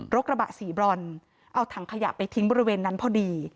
กระบะสีบรอนเอาถังขยะไปทิ้งบริเวณนั้นพอดี